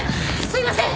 すいません！